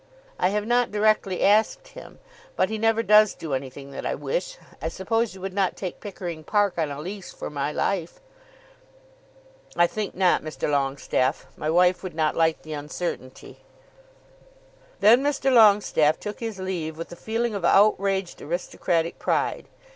"I have not directly asked him; but he never does do anything that I wish. I suppose you would not take Pickering Park on a lease for my life." "I think not, Mr. Longestaffe. My wife would not like the uncertainty." Then Mr. Longestaffe took his leave with a feeling of outraged aristocratic pride.